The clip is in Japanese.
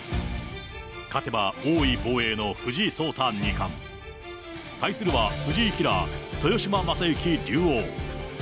勝てば、王位防衛の藤井聡太二冠、対するは、藤井キラー、豊島将之竜王。